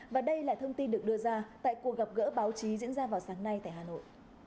và đây là thông tin được đưa ra tại cuộc gặp gỡ báo chí diễn ra vào sáng nay tại hà nội